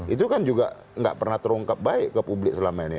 itu kan juga nggak pernah terungkap baik ke publik selama ini